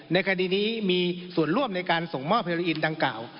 ในคดีนี้มีส่วนร่วมในการส่งมอบเฮโลอินดังกล่าว